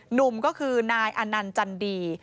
หนุ่มก็คือนายอนันต์จันดี